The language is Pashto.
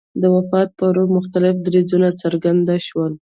د وفات په ورځ مختلف دریځونه څرګند شول.